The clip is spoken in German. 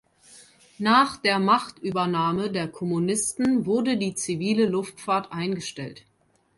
Nach der Machtübernahme der Kommunisten wurde die zivile Luftfahrt eingestellt.